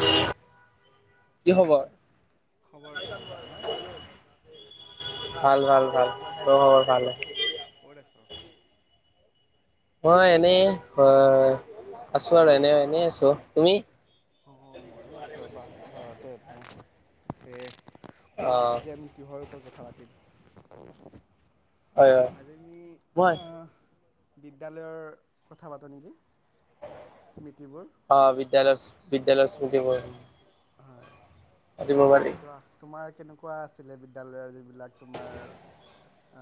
তিতি উ খবৰ ভাল তোমাৰ ভাল ভাল ভাল খবৰ ভাল ঘৰত আছা মই এনে ঘ আছো আৰু এনে এনে আছো তুমি অ মইযো আছো ৰবা ঘৰত টে চে অ কোৱা যে আজি কিহৰ ওপৰত কথা পাতিম হয় হয়। আজি আমি। মই অহ বিদ্যালয়ৰ কথা পাতো নেকি? স্মৃতিবোৰ অ বিদ্যালয় বিদ্যালয়। দিব। কাহ তোমাৰ। কেনেকুৱা আছিলে বিদ্য়ালয়ৰ যিবিলাক তোমাৰ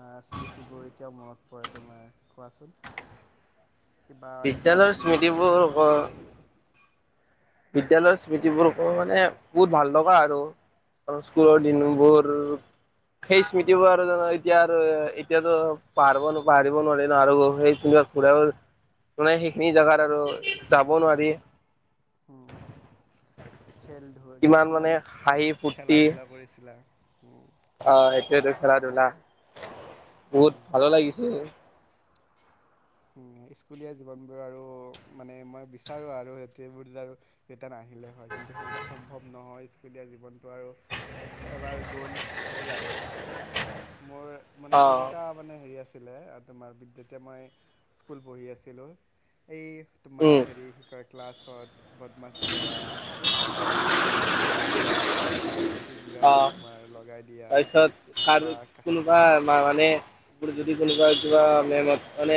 আহ স্মৃতিবোৰ এতিয়াও মনত পৰে তোমাৰ কোৱাচোন? কিবা এনেকুৱা বিদ্যালয়ৰ আছেনে যে স্মৃতিবোৰ। বিদ্যায়লয়ৰ স্মৃতিবোৰ মানে বহুত ভাল লগা আৰু স্কুলৰ দিনবোৰ সেই স্মৃতিবোৰ আৰু জানো এতিয়া আৰু এতিয়াতো পাহব পাহৰিব নোৱাৰি ন আৰু সেই স্মৃতি ঘূৰা মানে সেইখিনি জেগাত আৰু যাব নোৱাৰি। উম খেল ধৈ মানে কিমান হাঁহি খেলা ফূৰ্তি ধূলা কৰিছিলা। উম। অ এটোয়া দু খেলটোল। বহুত উম ভালো লাগিছে। উ স্কুলীয়া জীৱন বোৰ আৰু মানে মই বিচাৰো আৰু সেইবোৰ যে আৰু। নাহিলে হয় কিন্তু সেইটোতো সম্ভৱ নহয়। দিয় জীৱনটো আৰু এবাৰ গ'ল গ'ল আৰু। মোৰ মানে অ কেনেকুৱা মানে হেৰি আছে। ছিলে আৰু তোমাৰ বি যেতিয়া মই। স্কুল পঢ়ি আছিলোঁ। এই তোমাৰ উম হেৰি শিক্ষক। ক্লাছত বদমাচি কৰা, ধৰা চুইংগাম লগাই [unintelligible] কাৰোবাৰ চুলিত অ, চুইংগাম তোমাৰ লগাই দিয়া তাৰপিছত আৰ বা কা- কোনোবা মানে বুলো যদি কোনোবা কিবা মেমক মানে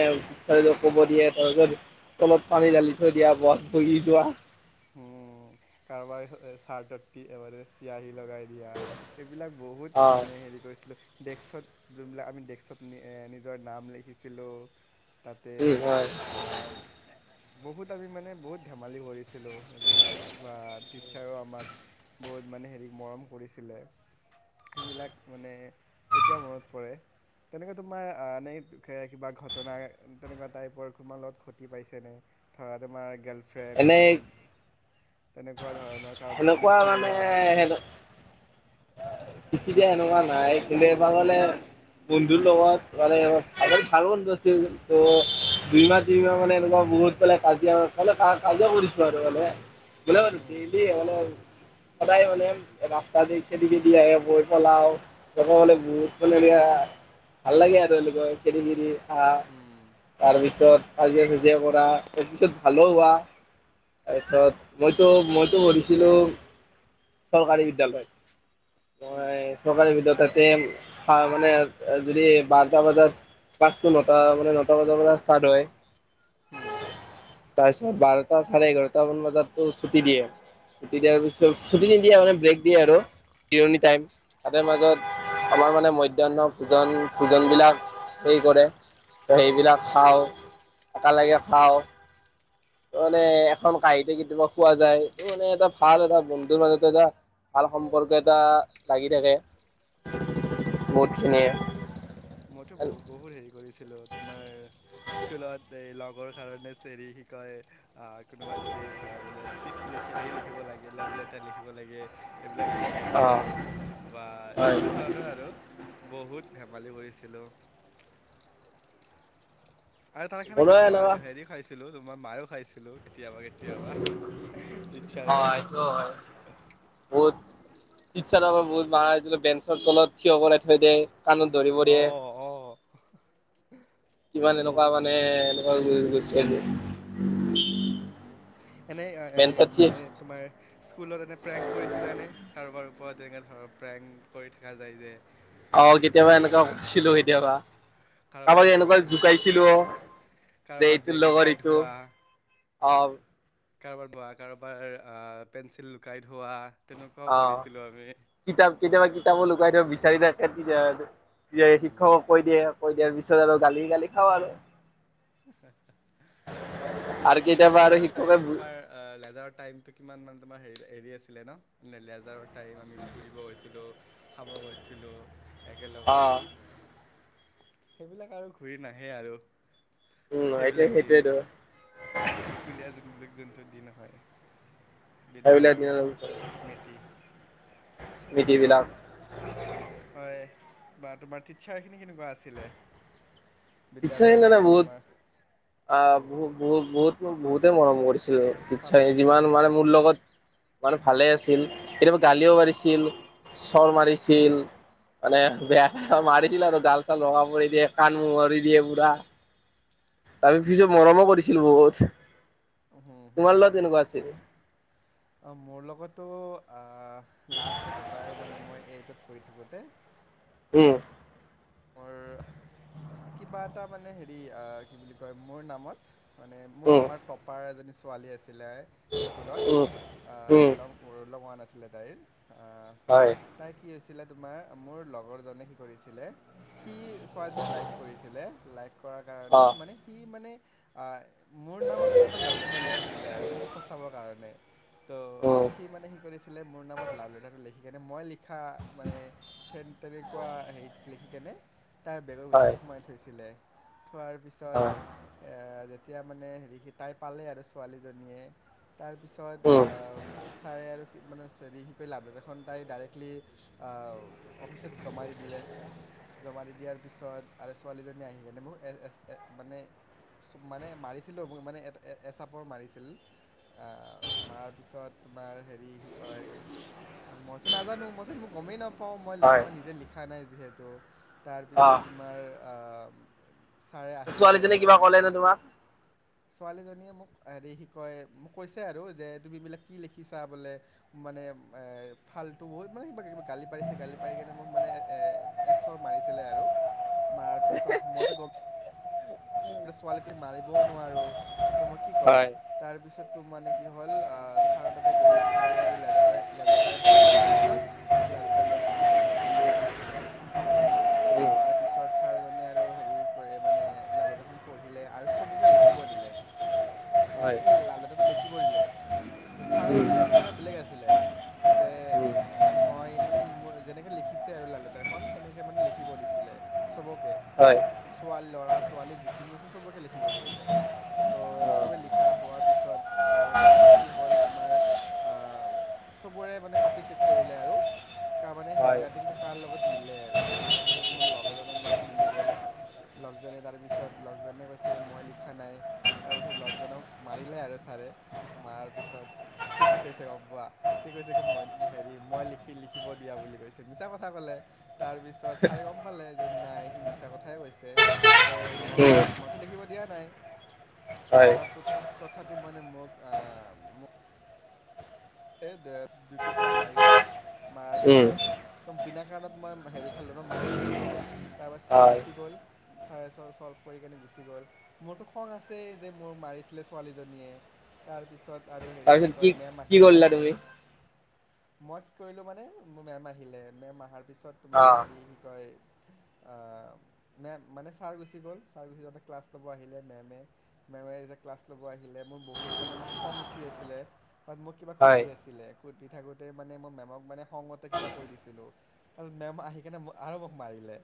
ক'ব দিয়ে তাৰপিছত তলত পানী ঢালি থৈ দিয়া বত বহি যোৱা। উম, কাৰোবাৰ চাৰ্ট [unintelligible] চিয়াহী লগাই দিয়া, এইবিলাক বহুত অ মানে হেৰি কৰিছিলো ডেক্সত, জোনবিলাক আমি ডেক্সত নি নিজৰ নাম লিখিছিলোঁ। তাতে, উম হয় অম। বহুত আমি মানে বহুত ধেমালি কৰিছ [unintelligible] বা টিচাৰো আমাক, বহুত মানে হেৰি মৰম কৰিছিলে। সেইবিলাক মানে এতিয়াও মনত পৰে, তেনেকে তোমাৰ এ [unintelligible] দুখেৰেই কিবা ঘটনা তেনেকুৱা টাইপৰ তোমাৰ লগত ঘটি পাইছেনে, ধৰা তোমাৰ গে ফ্ৰেণ্ড এনে হওঁক তেনেকুৱা ধৰণৰ কাৰোবাক সেনেকুৱা চিঠি দিয়া। মানে চিঠি দিয়া সনেকুৱা নাই কিন্তু এবাৰ ক'লে, বন্ধুৰ লগত মানে ভাল বন্ধু আছিল, ত দুই মাহ তিনিমাহ মানে এনেকুৱা বহুত কাজিয়া কাজিয়া কৰিছিলো আৰু মানে। [unintelligible] উম সদায় মানে ৰাস্তা দি [unintelligible] আহে মই পেলাওঁ। লগৰ হ'লে বহুত [unintelligible] ভাল লাগে আৰু এনেকৈ খেদি খদি আ, হুম তাৰপিছত কাজিয়া চাজিয়া কৰা, তাৰপিছত ভালো হোৱা, তাৰপিছত মইতো মইতো পঢ়িছিলোঁ চৰকাৰী বিদ্যালয়ত। উম মই চৰকাৰী [unintelligible] তাতে, হা মানে যদি বাৰটা বজাত ক্লাছটো নটা মানে নটা বজাৰ পৰা ষ্টাৰ্ট হয়। হুম তাৰপিছত বাৰটা চাৰে এঘাৰটা মান বজাতো ছুটি দিয়ে। ছুটি দিয়াৰ উম পিছত, ছুটি নিদিয়ে মানে ব্ৰেক [unintelligible] জিৰণি টাইম, তাতে মাজত, আমাৰ মানে মধ্যাহ্ন ভোজন ভোজন বিলাক হেই কৰে, সেইবিলাক খাওঁ, একেলগে খাওঁ। ত মানে, এখন কাঁহিতে কেতিয়াবা খোৱা যায়, ত মানে এটা ভাল এটা বন্ধুৰ মাজত এটা ভাল সম্পৰ্ক এট [unintelligible] লাগি থাকে। উম হুম বহুতখিনিয়ে। মইতো বহু হেৰি কৰিছো [unintelligible] তোমাৰ, স্কুলত যে লগ [unintelligible] কাৰণে চেৰি শিকাই। অ, কোনোবা যদি ধৰা বলে চিট লিখি হেৰি লিখিব লাগে, লাভ লেটাৰ লিখিব লাগে। এইবিলাক লিখি দিছিলো, হয় বা তেনেকুৱা ধৰণৰ আৰু। বহুত ধেমালি কৰিছে [unintelligible] আৰু তাৰ কাৰণে গা বনোৱা মাৰ এনেকুৱা হেৰি খাইছ ছিলো, মাৰো খাইছিলো। কেতিয়াবা কেতিয়াবা ইচছা অ টিছাৰ পৰা বহুত মাৰ খাইছিলো বেঞ্চৰ তলত থিয় কৰাই থৈ দিয়ে কাণত ধৰিব দিয়ে অঁ অঁ কিমান এনেকুৱা বহুত মানে বহুত এনেকুৱা গৈছে এনেই মানে তোমাৰ স্কুলত এনে প্ৰেং কৰিছিলানে কাৰোবাৰ ওপৰত তেনেকে ধৰ প্ৰেং কৰি থকা যায় যে অহ কেতিয়াবা এনেকুৱা কৰিছিলো কেতিয়াবা কাৰোবাৰ কাৰোবাক বেগৰ এনেকুৱা ভিতৰত জোকাইছিলো যে কাৰোবাৰ এইটোৰ বেগ লগত লুকাই ইটো থোৱা অহ কাৰোবাৰ ধোৱা কাৰোবাৰ পেঞ্চিল লুকাই ধোৱা অ কিতাপ কেতিয়াবা কিতাপো লুকোৱাই বাইদেউ বিচাৰি দি উম, শিক্ষকক কৈ দিয়ে কৈ দিয়াৰ পিছত আৰু গালি গালি খাওঁ আৰু আৰু কেতিয়াবা আৰু লেজাৰ শিক্ষকে টাইম তোমাৰ লেজাৰ টাইম টো কিমান মান তোমাৰ হেৰি হেৰি আছিলে ন লেজাৰ টাইম আমি ফুৰিব গৈছিলোঁ খাব গৈছিলোঁ অ একেলগত সেইবিলাক আৰু ঘূৰি নাহে আৰু উম সেইটোয়ে সেইবিলাক দিন সেইটোয়েতো স্কুলীয়া জীৱনটোক যেন টো দিন হয় সেইবিলাক বিদ্যালয়ৰ স্মৃতি স্মৃতি বিলাক হয় বা তোমাৰ টিছাৰ খিনি কেনেকোৱা আছিলে পিছা হ বিদ্যালয়ত ন ন যোনটো বহুত তোমাৰ অ বুত বহুত মোক বহুতে মৰম কৰিছে টিছাৰে ছাপৰ্টিভ যিমান মানে আছিলে মোৰ লগত মানে ভালে আছিল কেতিয়াবা গালিও পাৰিছিল চৰ মাৰিছিল মানে বেয়া মাৰিছিল আৰু গাল চাল ৰঙা কৰি দিয়ে কাণ মোহাৰি দিয়ে পুৰা আৰু পিছে মৰমো কৰিছিল বহুত হম হম তোমাৰ হুম লগত তেনেকুৱা আছিল অহ মোৰ লগতো আহ লাষ্ট এবাৰ মানে মই এইটত পঢ়ি থাকোঁতে উম মোৰ কিবা এটা মানে হেৰি আহ কি বুলি কয় মোৰ নামত মানে মোৰ উম আমাৰ টপাৰ এজনী ছোৱালী আছে। আছিলে স্কুলত উম আৰু উম ৰোল নং ওঁৱান আছিল আছিলে তাইৰ হয় আহ তাই কি হৈছে ছিলে তোমাৰ মোৰ লগৰজনে হেই কৰিছিলে সি ছোৱালীটোক লাইক কৰিছিলে লাইক কৰাৰ অ কাৰণে মানে সি মানে অ মোৰ নামত মানে এটা লাভ লেটাৰ লিখিছিলে আৰু মোক ফচাবৰ কাৰণে উম ত' সি মানে সি কৰিছিলে মোৰ নামত লাভ লেটাৰটো লিখি কেনে মই লিখা মানে তেনে তেনেকোৱা হেৰিত লিখিকিনে তাইৰ বেগৰ হয় ভিতৰত সোমাই থৈছিলে থোৱাৰ পিছত হয় এ, এতিয়া মানে হেৰি সি, তাই পালে আৰু ছোৱালীজনীয়ে। তাৰপিছত উম আহ, ছাৰে আৰু মানে চেৰি সি কৰি লাভ দেখোন তাই ডাইৰেক্টলি আঁ অফিচত জমাই দি দিলে। জমা দি দিয়াৰ পিছত আৰে ছোৱালীজনী আহি কেনে মোক এ, মানে -মানে মাৰিছিলেও মোক মানে এচাপৰ মাৰিছিল আহ, মাৰাৰ পিছত তোমাৰ হেৰি কি কয়, মইতো নাজানো মইতো মোক গমেই নাপাওঁ, পাও মই হয় মই নিজে লিখা নাই।, দিলে। টো, অ তাৰপিছত তোমাৰ আ ছাৰে আহিলে ছোৱালীজনী লেজাৰ কিবা শেষ, ক'লে নে তোমাক ছোৱালীজনীয়ে মোক, হেৰি কি কয় মোক কৈছে আৰু যে তুমি এইবিলাক কি লিখিছা বোলে মানে এ, ফাল্টো বহুত মানে কিবা -কিবি গালি পাৰিছে গালি পাৰি কিনে মোক মানে এ, একচৰ মাৰিছিলে আৰু মাৰাৰ পিছত মইতো গম, এইপিনে ছোৱালীটোক মাৰিবও নোৱাৰো তো মই কি কৰোঁ হয় তাৰপিছত টো মানে কি হ'ল আহ, ছাৰ তাতে গ'ল ছাৰে আৰু লেজাৰ, লেজাৰ টাইম শেষ হোৱাৰ পিছত লাল, লাভ লেটাৰখন লৈ আহিছিলে। উম। আহাৰ পিছত ছাৰ জনে আৰু হেৰি কৰে মানে লাভ লেটাৰখন পঢ়িলে আৰু চবকে লিখিব দিলে মানে হয় এ, লাভ লেটাৰটো লিখিব দিলে তো, ছাৰৰ উম প্লেনিং এটা বেলেগ আছিলে যে, উম মই মানে মই যেনেকে লিখিছে আৰু লাভ লেটাৰখন সেনেক মানে লিখিব দিছিলে চবকে হয় ছোৱালী, ল'ৰা- ছোৱালী যিখি, যিখিনি আছে চবকে লিখিব দিছিলে। ত' অ চবে লিখা হোৱাৰ পিছত ত' নেক্সট কি হ'ল তোমাৰ আহ, চবৰে মানে কপি চেক কৰিলে আৰু কাৰ মানে হয় হেণ্ডৰাইটিংটো কাৰ লগত মিলে, আৰু তাৰপাছত মোৰ লগজনৰ লগত মিলি গ'ল। লগজনে তাৰপিছত, ত লগজনে কৈছে মই লিখা নাই তাৰপিছত লগজনক মাৰিলে আৰু ছাৰে। মাৰাৰ পিছত সি কি কৈছে গম পোৱা সি কৈছে কি মই হেৰি মই লিখি লিখিব দিয়া বুলি কৈছে, মিছা কথা ক'লে তাৰপিছত ছাৰে গম পালে যে নাই সি মিছা কথাই কৈছে ত', মই, উম মইতো লিখিব দিয়া নাই। হয় [unintelligible] তথাপি মানে মোক আ, মোক, দুই কোপ মান মাৰিলে, মাৰাৰ উম পিছত বিনা কাৰণত মই হেৰি খালো ন', মাইৰ খালো ন', তাৰপিছত ছাৰ হয় গুচি গ'ল, ছাৰে চল্ভ কৰি কিনে গুচি গ'ল। মোৰতো খং আছেই যে, মোক মাৰিছিলে ছোৱালীজনীয়ে তাৰপিছত, আৰু হেৰি তাৰপিছত কয় কি মেম আহি কি তাৰ কৰলা তুমি? মই কি কৰিলোঁ মানে, মেম আহিলে, মেম আহাৰ পিছত অ তোমাৰ হেৰী কি কয়, আ, মে'ম, মানে ছাৰ গুচি গল, ছাৰ গুচি যাওঁতে ক্লাছ লব আহিলে মেমে, মেমে যে ক্লাছ লব আহিলে, মোৰ বহুত মানে খং উঠি আছিলে কাৰণ মোৰ, হয় সুধি আছিলে। সুধি থাকোতে মানে মই মে'মক মানে খঙতে কিবা কৈ দিছিলো আৰু মে'ম আহি কেনে আৰু মোক মাৰিলে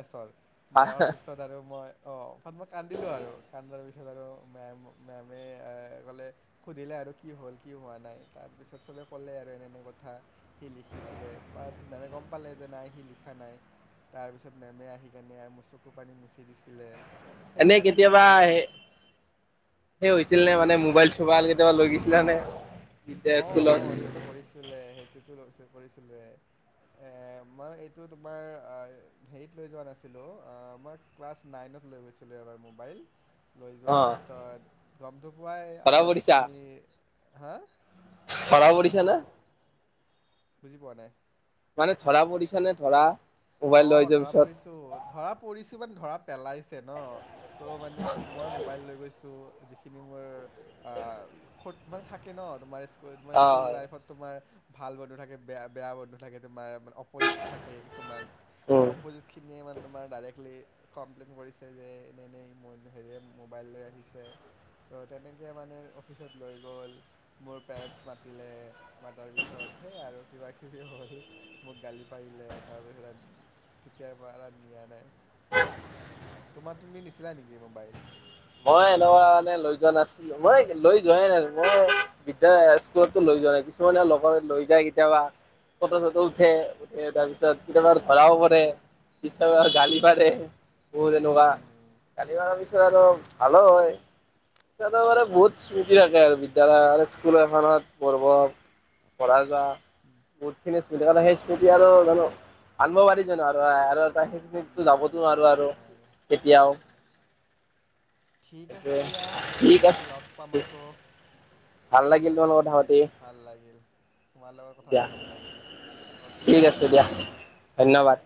এচৰ। মাৰাৰ পিছত আৰু মই, অহ, মই কান্দিলো আৰু কান্দাৰ পিছত আৰু মে'ম, মেমে কলে সুধিলে আৰু কি হ'ল কি হোৱা নাই? তাৰপিছত চবে ক'লে আৰু এনে এনে কথা সি লিখিছিলে বা মে'মে গম পালে যে নাই সি লিখা নাই তাৰপিছত মে'মে আহি কেনে মোৰ চকু পানী মুচি দিছিলে। এনেই সেইবিলাক আৰু কেতিয়াবা চুবাৰ উম। সেই হৈছিল নে মানে মোবাইল -চোবাইল কেতিয়াবা লৈ গেচিলা নে? তেতিয়া স্কুলত অহ-অহ সেইটো কৰিছিলে, হেই এইটো - টো লগ - চগে কৰিছিলে, এ, মই এইটো তোমাৰ আ, হেৰিত লৈ যোৱা নাছিলোঁ, আ, বট ক্লাছ নাইনত লৈ গৈছিলোঁ এবাৰ মোবাইল। লৈ অ যোৱাৰ পিছত, গমটো, পুৱাই ধৰা আমাৰ পৰিছা যিখিনি হা, ধৰা পৰিছা না? বুজি পোৱা নাই? মানে ধৰা পৰিছা নে ধৰা? মোবাইল লৈ অঁ যোৱাৰ ধৰা পিছত পৰিছো ধৰা পৰিছো মানে ধৰা পেলাইছে ন ত' মানে মই মোবাইল লৈ গৈছোঁ যিখিনি মোৰ আহ স মানে থাকে ন তোমাৰ তোমাৰ অ স্কুল হয় লাইফত তোমাৰ ভাল বন্ধু থাকে বেয়া বেয়া বন্ধু থাকে তোমাৰ মানে অপজিত থাকে কিছুমান সেই উম অপজিত খিনিয়ে ইমান তোমাৰ ডাইৰেক্টলি কমপ্লেইন কৰিছে যে এনেই মোৰ হেৰিয়ে মোবাইল লৈ আহিছে তো তেনেকৈ মানে অফিচত লৈ গ'ল মোৰ পেৰেণ্টছ মাতিলে ম তাৰ পিছত সেই আৰু কিবা কিবি হ'ল মোক গালি পাৰিলে তাৰপিছত তেতিয়াৰ পৰা ত নিয়া নাই তোমাৰ তুমি নিছিলা নেকি মোবাইল মই এইতুকাৰণে লৈ যোৱা নাছিলো মই লৈ যোৱাইে নাই মই বিদ্যা স্কুলো লৈ যোৱা নাই কিছুমানে লগৰ লৈ যায় কেতিয়াবা ফটো চটো উঠে উঠে তাৰ পিছত কেতিয়াবা ধৰাও পৰে কেয়াবা গালিও পাৰে বহুত তেনেকুৱা উম কালিবাৰৰ পিছত আৰু ভালো নহয় মানে বহুত স্মৃতি থাকে আৰু বিদ্যালয় স্কুল এখনত পঢ়িব পঢ়া যোৱা হুম। বহুতখিনি স্মৃতি থ সেই স্মৃতি আৰু জানো আনিব পাৰি জানো আৰু আৰু এটা নাই যাবতো নাই নোৱাৰো আৰু নোৱাৰে কেতিয়াও নাই। ঠিক আছে সেইটোৱে দিয়া ঠিক পিছে লগ পাম আছে আকৌ ভাল লাগিল ত লগত পাতি ভাল লাগিল তোমাৰ লগত কথা দিয়া পাতি ভাল লাগিল অ'কে ঠিক আছে দিয়া বাই ধন্যবাদ।